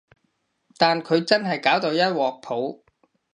但佢真係搞到一鑊泡